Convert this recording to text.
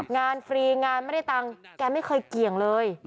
ฟรีงานไม่ได้ตังค์แกไม่เคยเกี่ยงเลย